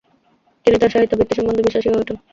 তিনি তাঁর সাহিত্য বৃত্তি সম্বন্ধে বিশ্বাসী হয়ে ওঠেন।